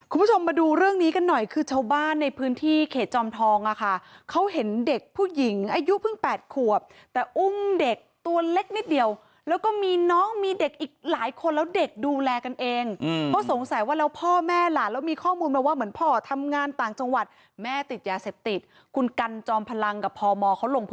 คุณผู้ชมมาดูเรื่องนี้กันหน่อยคือชาวบ้านในพื้นที่เขตจอมทองอ่ะค่ะเขาเห็นเด็กผู้หญิงอายุเพิ่ง๘ขวบแต่อุ้มเด็กตัวเล็กนิดเดียวแล้วก็มีน้องมีเด็กอีกหลายคนแล้วเด็กดูแลกันเองเพราะสงสัยว่าแล้วพ่อแม่หลานแล้วมีข้อมูลมาว่าเหมือนพ่อทำงานต่างจังหวัดแม่ติดยาเสพติดคุณกันจอมพลังกับพมเขาลงพ